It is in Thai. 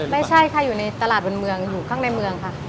ไม่ใช่อยู่ในตลาดเมืองอยู่ข้างในเมือง